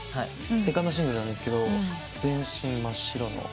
セカンドシングルなんですが全身真っ白の。